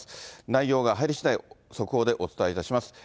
内容が入りしだい、速報でお伝えいたします。